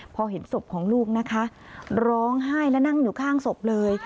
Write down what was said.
พอเห็นศพของลูกนะคะร้องไห้และนั่งอยู่ข้างศพเลย